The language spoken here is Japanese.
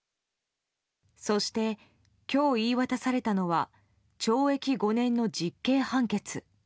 そして、今日言い渡されたのは懲役５年の実刑判決。